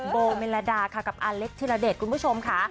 โบเมลดาค่ะกับอาเล็กธิระเดชคุณผู้ชมค่ะ